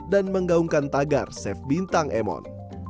dan menggaungkan tagar save bintang emon